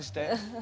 あ！